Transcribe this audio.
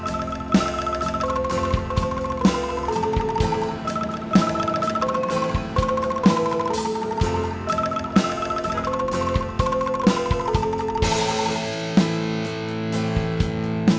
aku ngajak kamu mau berhenti buat minta maaf